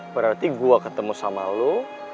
berarti gue ketemu sama lo